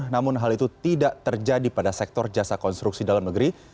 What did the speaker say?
namun hal itu tidak terjadi pada sektor jasa konstruksi dalam negeri